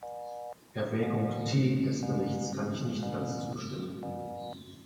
Erwägung T des Berichts kann ich nicht ganz zustimmen.